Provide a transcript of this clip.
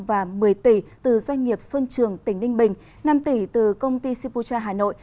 và một mươi tỷ từ doanh nghiệp xuân trường tỉnh ninh bình năm tỷ từ công ty sipucha hà nội